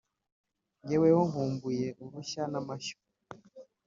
jyewe ho nkumbuye urushya n'amashyo